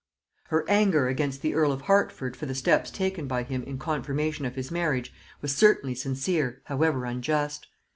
Her anger against the earl of Hertford for the steps taken by him in confirmation of his marriage was certainly sincere, however unjust.